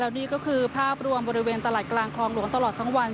นี่ก็คือภาพรวมบริเวณตลาดกลางคลองหลวงตลอดทั้งวัน